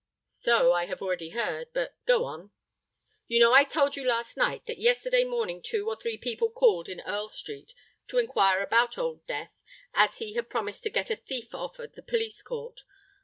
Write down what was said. "So I have already heard. But go on." "You know I told you last night that yesterday morning two or three people called in Earl Street to inquire about Old Death, as he had promised to get a thief off at the police court?